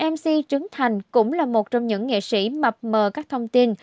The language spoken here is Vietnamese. mc trấn thành cũng là một trong những nghệ sĩ mập mờ các thông tin